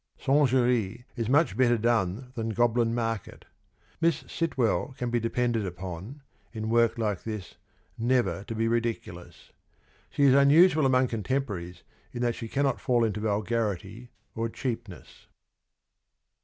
(Singerie) is much better done than ' Goblin Market.' Miss Sitwell can be depended upon, in work like this, never to be ridiculous. She is unusual among contemporaries in that she cannot fall into vulgarity or cheapness.